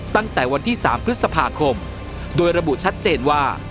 ตั้งแต่วันที่๓พฤษภาคมโดยระบุชัดเจนว่า